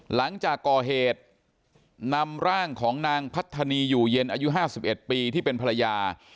หลังจากก่อเหตุนำร่างของนางพัฒนีอยู่เย็นอายุ๕๑ปีที่เป็นภรรยา